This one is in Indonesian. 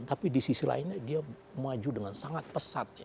tapi di sisi lainnya dia maju dengan sangat pesat